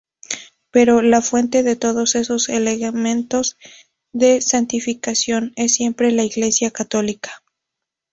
Pero, ""la fuente de todos esos elementos de santificación es, siempre, la Iglesia Católica"".